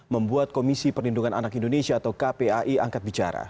membuat komisi perlindungan anak indonesia atau kpai angkat bicara